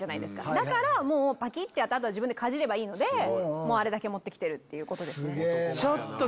だからパキってやってあとはかじればいいのであれだけ持って来てるっていうことですね。